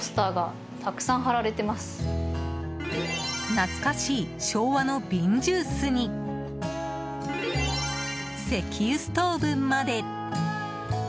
懐かしい昭和の瓶ジュースに石油ストーブまで。